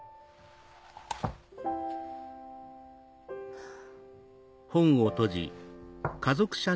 ハァ。